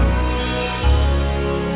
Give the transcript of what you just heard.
masuk kuliah dulu